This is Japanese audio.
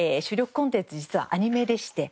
コンテンツ実はアニメでして。